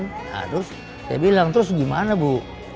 terus saya bilang terus gimana bu